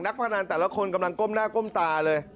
พนันแต่ละคนกำลังก้มหน้าก้มตาเลย